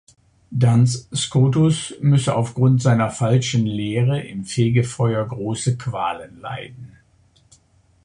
Duns Scotus müsse aufgrund seiner falschen Lehre im Fegefeuer grosse Qualen leiden.